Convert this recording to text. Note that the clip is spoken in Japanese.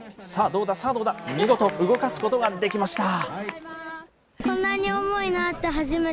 どうだ、見事、動かすことができました。